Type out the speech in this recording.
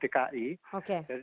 pembangunan pemprov dki